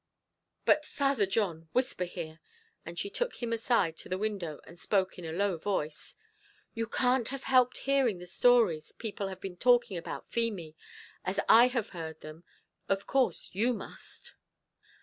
"But, Father John whisper here," and she took him aside into the window, and spoke in a low voice; "you can't have helped hearing the stories people have been talking about Feemy. As I have heard them, of course you must."